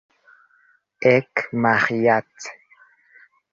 Ek, Maĥiac!